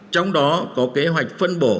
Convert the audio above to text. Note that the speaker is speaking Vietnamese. trong đó có kế hoạch phân bổ